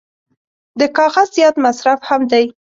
د کاغذ زیات مصرف هم دی.